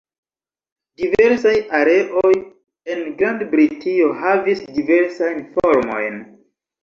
Diversaj areoj en Grand-Britio havis diversajn formojn.